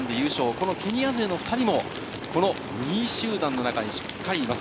このケニア勢の２人も、この２位集団の中にしっかりいます。